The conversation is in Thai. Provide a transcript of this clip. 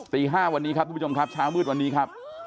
ตี๕วันนี้ครับทุกผู้ชมครับเช้ามืดวันนี้ครับ